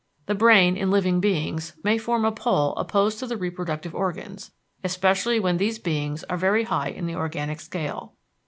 "The brain, in living beings, may form a pole opposed to the reproductive organs, especially when these beings are very high in the organic scale."